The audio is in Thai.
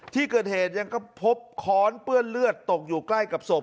ที่เกิดเหตุยังก็พบค้อนเปื้อนเลือดตกอยู่ใกล้กับศพ